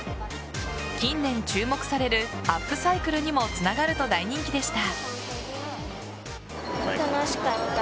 近年、注目されるアップサイクルにもつながると大人気でした。